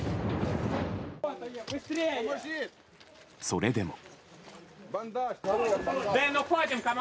それでも。